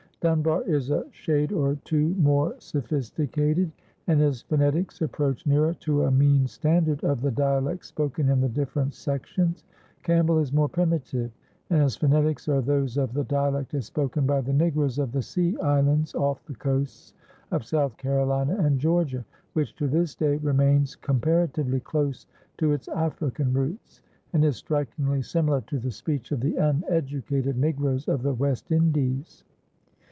Dunbar is a shade or two more sophisticated and his phonetics approach nearer to a mean standard of the dialects spoken in the different sections. Campbell is more primitive and his phonetics are those of the dialect as spoken by the Negroes of the sea islands off the coasts of South Carolina and Georgia, which to this day remains comparatively close to its African roots, and is strikingly similar to the speech of the uneducated Negroes of the West Indies.